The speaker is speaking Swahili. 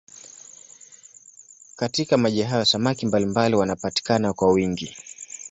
Katika maji hayo samaki mbalimbali wanapatikana kwa wingi.